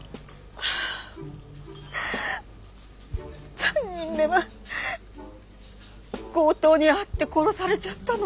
ああ３人目は強盗に遭って殺されちゃったの。